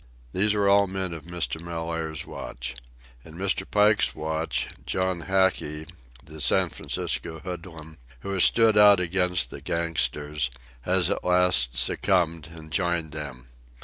These are all men of Mr. Mellaire's watch. In Mr. Pike's watch John Hackey, the San Francisco hoodlum, who has stood out against the gangsters, has at last succumbed and joined them.